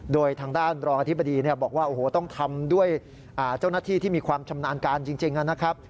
โดยทางด้านรองอธิบดีบอกว่าโอ้โหต้องทำด้วยเจ้าหน้าที่ที่มีความชำนาญการจริงนะครับ